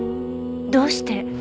どうして。